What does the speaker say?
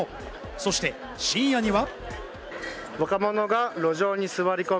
そして深夜には。